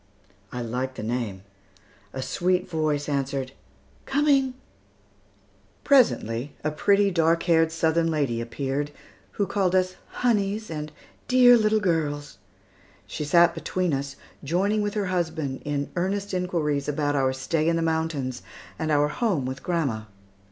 I liked the name. A sweet voice answered, "Coming!" Presently, a pretty dark eyed Southern lady appeared, who called us "honeys," and "dear little girls." She sat between us, joining with her husband in earnest inquiries about our stay in the mountains and our home with grandma.